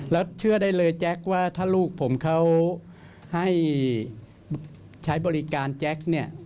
แล้วเชื่อได้เลยแจ๊คว่าถ้าลูกผมเขาให้ใช้บริการแจ็คเนี่ย